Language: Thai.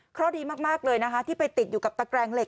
เพราะดีมากเลยนะคะที่ไปติดอยู่กับตะแกรงเหล็